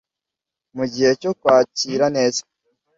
mugihe cyo kwakira neza